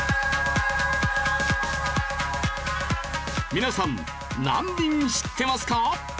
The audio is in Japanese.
皆さん何人知ってますか？